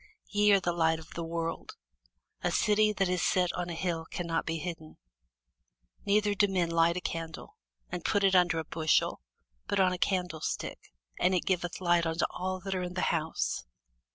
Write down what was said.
Ye are the light of the world. A city that is set on an hill cannot be hid. Neither do men light a candle, and put it under a bushel, but on a candlestick; and it giveth light unto all that are in the house.